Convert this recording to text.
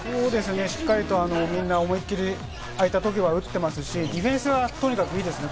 しっかりとみんな思いっきり開いた時は打てますし、ディフェンスはとにかくいいですね。